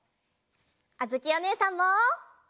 あづきおねえさんも！